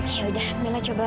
yaudah mila coba telfon lagi ya